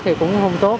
thì cũng không tốt